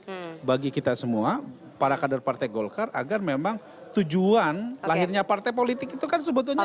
jadi saya ingin mengucapkan kepada semua para kader partai golkar agar memang tujuan lahirnya partai politik itu kan sebetulnya